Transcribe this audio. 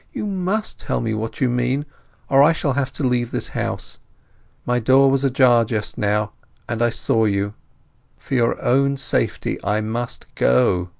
You must tell me what you mean, or I shall have to leave this house. My door was ajar just now, and I saw you. For your own safety I must go.